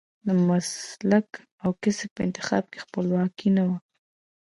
د مسلک او کسب په انتخاب کې خپلواک نه و.